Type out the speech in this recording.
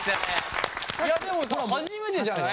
いやでもさ初めてじゃない？